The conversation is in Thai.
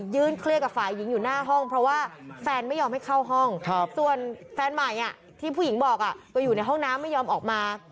เคลียร์กับฝ่ายหญิงอยู่หน้าห้องเพราะว่าแฟนไม่ยอมให้เข้าห้องส่วนแฟนใหม่ที่ผู้หญิงบอกก็อยู่ในห้องน้ำไม่ยอมออกมา